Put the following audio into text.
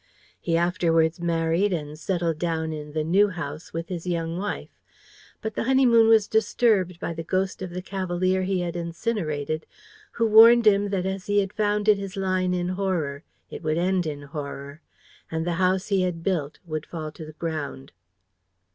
He afterwards married and settled down in the new house with his young wife. But the honeymoon was disturbed by the ghost of the cavalier he had incinerated, who warned him that as he had founded his line in horror it would end in horror, and the house he had built would fall to the ground.